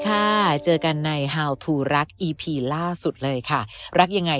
ค่ะเจอกันในฮาวทูรักอีพีล่าสุดเลยค่ะรักยังไง